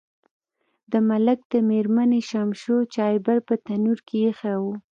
د ملک د میرمنې شمشو چایبر په تنور کې ایښی و.